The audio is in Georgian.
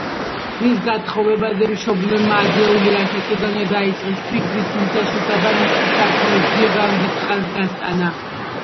მის გათხოვებაზე მშობლებმა ადრეული ასაკიდანვე დაიწყეს ფიქრი, თუმცა შესაბამისი საქმროს ძიებამ დიდხანს გასტანა.